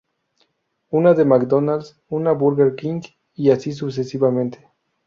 Una de McDonald's, una de Burger King, y así sucesivamente.